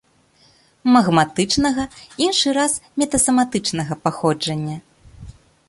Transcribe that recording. Магматычнага, іншы раз метасаматычнага паходжання.